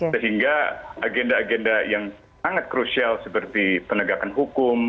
sehingga agenda agenda yang sangat krusial seperti penegakan hukum